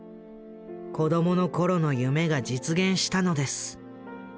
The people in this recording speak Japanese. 子供の頃の夢が実現したのです。